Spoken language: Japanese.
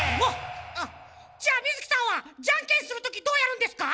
じゃあ水木さんはじゃんけんするときどうやるんですか？